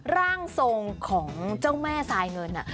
ร่างทรงของเจ้าแม่ทรายเงิน